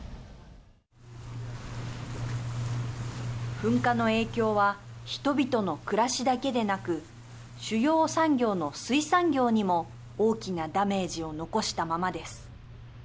噴火の影響は人々の暮らしだけでなく主要産業の水産業にも大きなダメージを残したままです。